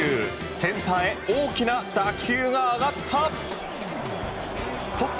センターへ大きな打球が上がった。